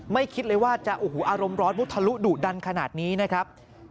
คิดเลยว่าจะโอ้โหอารมณ์ร้อนมุทะลุดุดันขนาดนี้นะครับ